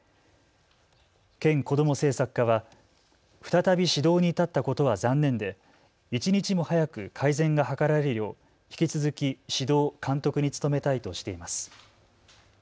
県こども政策課は再び指導に至ったことは残念で一日も早く改善が図られるよう引き続き指導監督に努めたいとしています。